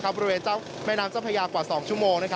บริเวณเจ้าแม่น้ำเจ้าพยากกว่า๒ชั่วโมง